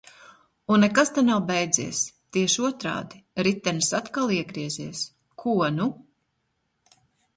Un nekas te nav beidzies – tieši otrādi – ritenis atkal iegriezies. Ko nu?